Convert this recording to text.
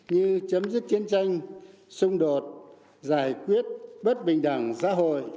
như chấm dứt chiến tranh xung đột giải quyết bất bình đẳng xã hội